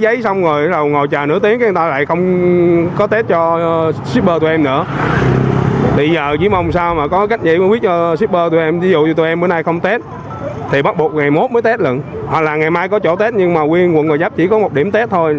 đối với quận gò vấp chỉ có một điểm test thôi